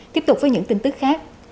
tiếp tục với những tin tức khác